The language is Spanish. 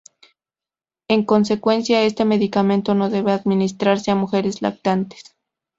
En consecuencia, este medicamento no debe administrarse a mujeres lactantes.